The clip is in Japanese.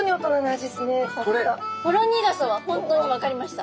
ほろ苦さは本当に分かりました。